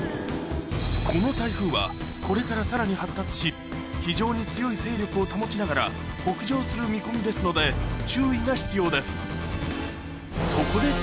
この台風はこれからさらに発達し非常に強い勢力を保ちながら北上する見込みですので注意が必要です